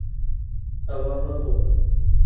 ئەوە مەخۆ.